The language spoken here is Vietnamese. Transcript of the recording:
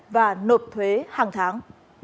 và nộp thuế hàng tháng